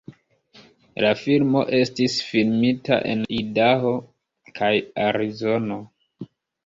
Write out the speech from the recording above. La filmo estis filmita en Idaho kaj Arizono.